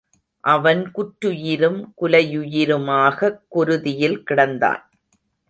அவன் குற்றுயிரும் குலையுயிருமாகக் குருதியில் கிடந்தான்.